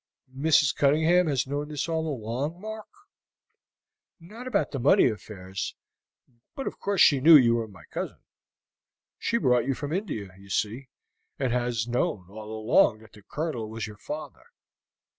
"Mrs. Cunningham has known this all along, Mark?" "Not about the money affairs, but of course she knew that you were my cousin. She brought you from India, you see, and has known all along that the Colonel was your father.